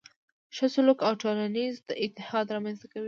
ښه سلوک ټولنیز اتحاد رامنځته کوي.